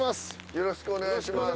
よろしくお願いします。